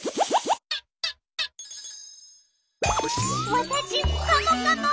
わたしカモカモ。